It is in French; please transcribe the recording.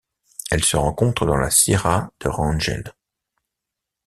Elle se rencontre dans la Sierra de Rangel.